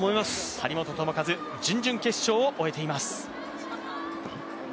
張本智和、準々決勝を終えています。